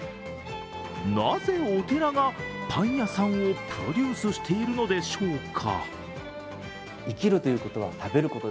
なぜお寺がパン屋さんをプロデュースしているのでしょうか。